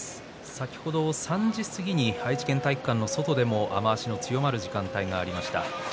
先ほど３時過ぎに愛知県体育館の外でも雨足が強まる時間帯がありました。